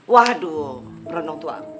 waduh berenung tua